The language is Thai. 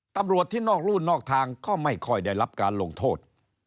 ตำรวจที่นอกรู่นอกทางก็ไม่ค่อยได้รับการลงโทษ